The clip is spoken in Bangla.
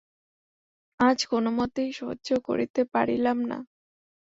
আজ কোনোমতেই সহ্য করিতে পারিলাম না।